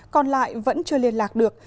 còn lại vẫn chưa liên lạc được